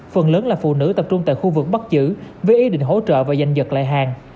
phần lớn là phụ nữ tập trung tại khu vực bắt giữ với ý định hỗ trợ và giành giật lại hàng